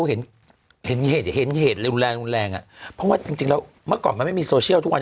เห็นเห็นเหตุรุนแรงรุนแรงอ่ะเพราะว่าจริงแล้วเมื่อก่อนมันไม่มีโซเชียลทุกวัน